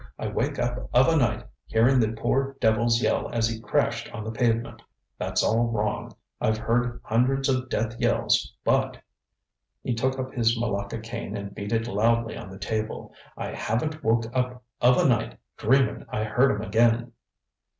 I wake up of a night hearin' the poor devil's yell as he crashed on the pavement. That's all wrong. I've heard hundreds of death yells, butŌĆØ he took up his malacca cane and beat it loudly on the table ŌĆ£I haven't woke up of a night dreamin' I heard 'em again.